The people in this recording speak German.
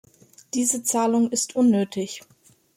Diese Zahlung ist unnötig.